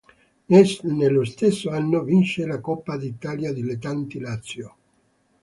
Nello stesso anno vince la Coppa Italia Dilettanti Lazio.